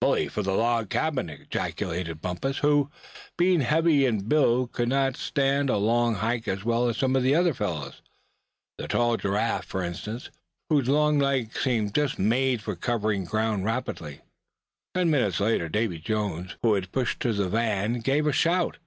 "Bully for the log cabin!" ejaculated Bumpus, who, being heavy in build, could not stand a long hike as well as some other fellows, the tall Giraffe, for instance, whose long legs seemed just made for covering ground rapidly. Ten minutes later Davy Jones, who had pushed to the van, gave a shout.